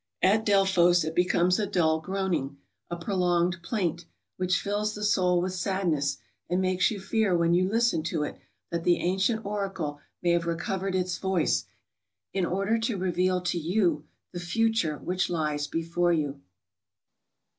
At Delphos, it becomes a dull groaning, a prolonged plaint, which fills the soul with sadness, and makes you fear when you listen to it, that the ancient oracle may have recovered its voice, in order to reveal to you the future which lies before you.